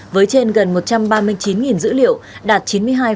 với trên gần một trăm ba mươi chín dữ liệu đạt chín mươi hai hai mươi năm